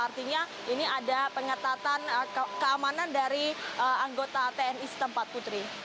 artinya ini ada pengetatan keamanan dari anggota tni setempat putri